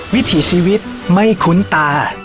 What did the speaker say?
วิถีชีวิตไม่คุ้นตา